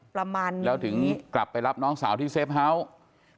ประมาณแล้วถึงกลับไปรับน้องสาวที่เซฟเฮาส์